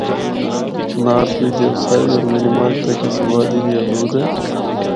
نارتھ بچ دیوسائی ہو منی مرگ تک اس وادی دی حدود ہے۔